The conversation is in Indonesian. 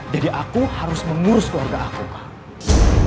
jadi aku harus mengurus keluarga aku kak